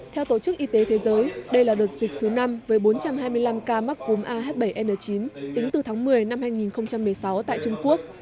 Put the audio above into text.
theo tổ chức y tế thế giới đây là đợt dịch thứ năm với bốn trăm hai mươi năm ca mắc cúm ah bảy n chín tính từ tháng một mươi năm hai nghìn một mươi sáu tại trung quốc